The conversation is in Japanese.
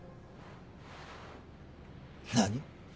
何？